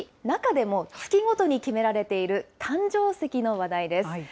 中でも月ごとに決められている誕生石の話題です。